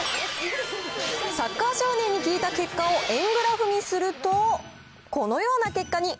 サッカー少年に聞いた結果を円グラフにすると、このような結果に。